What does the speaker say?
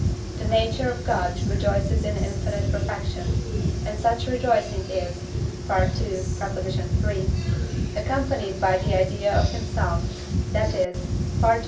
the nature of God rejoices in infinite perfection; and such rejoicing is (II. iii.) accompanied by the idea of himself, that is (I. xi.